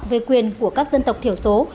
về quyền của các dân tộc thiểu số